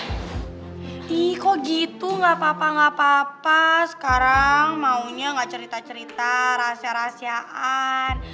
eh kok gitu nggak apa apa sekarang maunya nggak cerita cerita rahasia rahasiaan